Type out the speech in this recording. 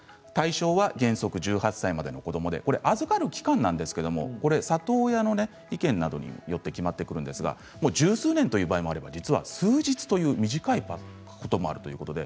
対象は原則１８歳までの子どもで預かる期間なんですけど里親の意見などによって決まってくるんですが十数年という場合もあれば数日という短い場合もあります。